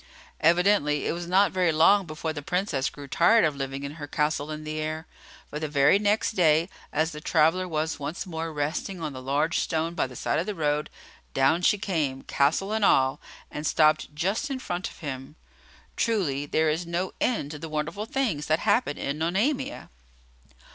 Evidently, it was not very long before the Princess grew tired of living in her castle in the air, for the very next day, as the traveller was once more resting on the large stone by the side of the road, down she came, castle and all, and stopped just in front of him. Truly, there is no end to the wonderful things that happen in Nonamia!